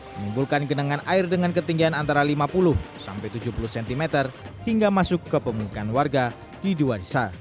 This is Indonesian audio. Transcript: menimbulkan genangan air dengan ketinggian antara lima puluh sampai tujuh puluh cm hingga masuk ke pemukaan warga di dua desa